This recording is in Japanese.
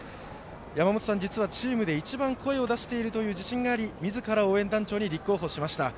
やまもとさん、実はチームで一番声を出している自信がありみずから応援団長に立候補しました。